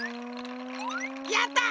やった！